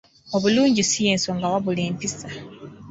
Obulungi si y’ensonga wabula empisa.